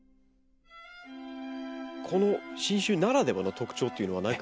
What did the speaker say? この新種ならではの特徴というのは何か？